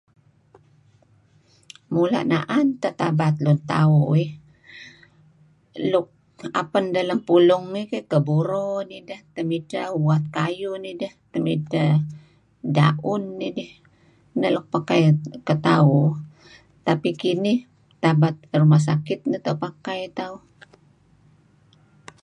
Mula' na'an teh tabat lun tauh iih. Luk apen deh lem pulung iih keyh, keburo nideh, temidteh uat kayuh nideh, temidteh da'un nidih. Neh luk pakai keauh. Tapi' kinih tabat ruma' sakit neto' pakai tauh.